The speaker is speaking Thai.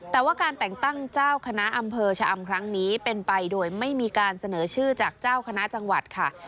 แต่ว่าการแต่งตั้งเจ้าคณะอำเภอชะอำครั้งนี้เป็นไปโดยไม่มีการเสนอชื่อจากเจ้าคณะจังหวัดค่ะ